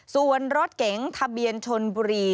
ส่วนรถเก๋งทะเบียนชนบุรี